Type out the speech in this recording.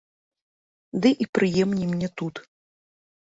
Ды і прыемней мне тут.